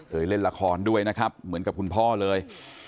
เคยเล่นละครด้วยนะครับเหมือนกับคุณพ่อเลย